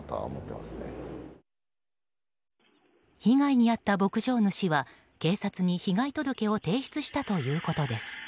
被害に遭った牧場主は警察に被害届を提出したということです。